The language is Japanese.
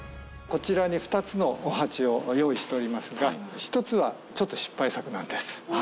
こちらに２つのお鉢を用意しておりますが、１つはちょっと失失敗作？